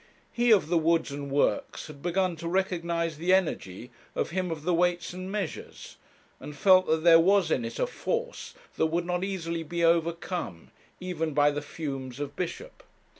He of the Woods and Works had begun to recognize the energy of him of the Weights and Measures, and felt that there was in it a force that would not easily be overcome, even by the fumes of bishop.